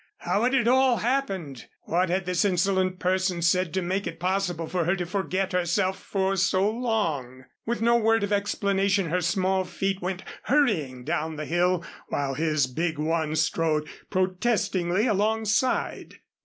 How had it all happened? What had this insolent person said to make it possible for her to forget herself for so long? With no word of explanation her small feet went hurrying down the hill while his big ones strode protestingly alongside.